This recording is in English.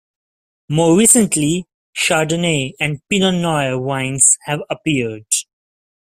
More recently, Chardonnay and Pinot noir wines have appeared.